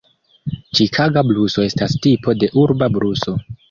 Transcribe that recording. Ĉikaga bluso estas tipo de urba bluso.